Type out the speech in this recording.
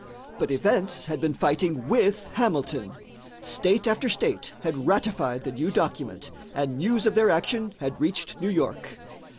But events had been fighting with Hamilton. State after state had ratified the new document, and news of their action had reached New York.